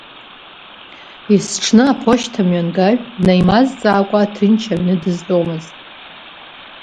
Есҽны аԥошьҭамҩангаҩ днаимазҵаакәа ҭынч аҩны дызтәомызт.